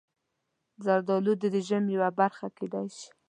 زردالو د رژیم یوه برخه کېدای شي.